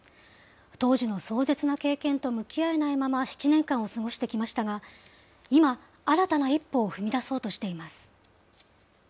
当時の壮絶な経験と向き合えないまま７年間を過ごしてきましたが、今、新たな一歩を踏み出そうとしています。